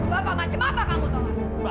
bapak macem apa kamu tolong